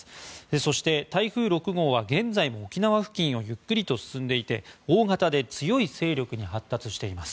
そして、台風６号は現在も沖縄付近をゆっくりと進んでいて大型で強い勢力に発達しています。